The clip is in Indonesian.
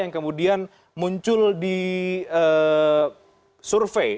yang kemudian muncul di survei